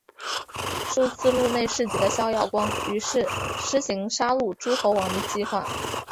数次入内侍疾的萧遥光于是施行杀戮诸侯王的计划。